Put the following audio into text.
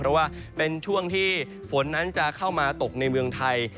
เพราะว่าเป็นช่วงที่ฝนนั้นจะเข้ามาตกในเมืองไทย